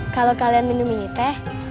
kalau kalian minum ini teh